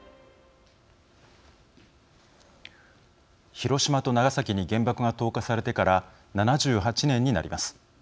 広島と長崎に原爆が投下されてから７８年になります。